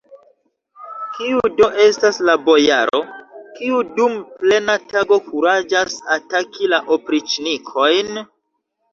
Kiu do estas la bojaro, kiu dum plena tago kuraĝas ataki la opriĉnikojn?